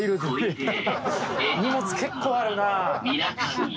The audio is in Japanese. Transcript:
荷物結構あるな。